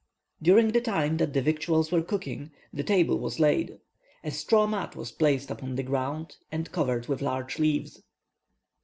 During the time that the victuals were cooking, the table was laid. A straw mat was placed upon the ground, and covered with large leaves.